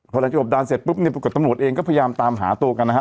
พอหลังจากกบดานเสร็จปุ๊บเนี่ยปรากฏตำรวจเองก็พยายามตามหาตัวกันนะฮะ